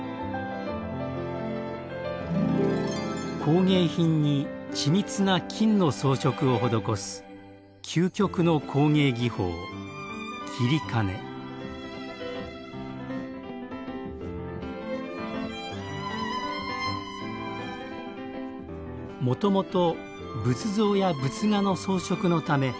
工芸品に緻密な金の装飾を施すもともと仏像や仏画の装飾のため７世紀に伝わったもの。